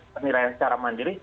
penilaian secara mandiri